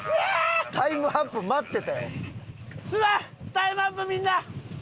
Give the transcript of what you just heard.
タイムアップみんな。